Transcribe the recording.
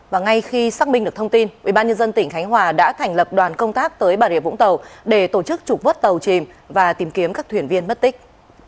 và ngay khi xác minh được thông tin ubnd tỉnh khánh hòa đã thành lập đoàn công tác tới bà rịa vũng tàu để tổ chức trục vớt tàu chìm và tìm kiếm các thuyền viên mất tích